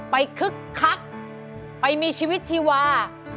คึกคักไปมีชีวิตชีวา